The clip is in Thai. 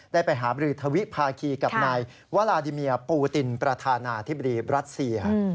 ได้ไปหาบรือทวิภาคีกับนายวาลาดิเมียปูตินประธานาธิบดีบรัสเซีย